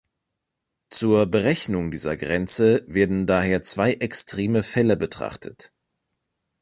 Zur Berechnung dieser Grenze werden daher zwei extreme Fälle betrachtet.